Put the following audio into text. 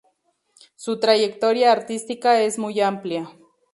Su trayectoria artística es muy amplia.